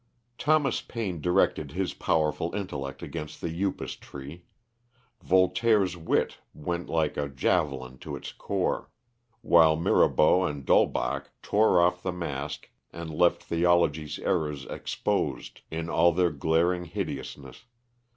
Thomas Paine directed his powerful intellect against the upas tree; Voltaire's wit went like a javelin to its core; while Mirabaud and D'Holbach tore off the mask and left theology's errors exposed in all their glaring hideousness.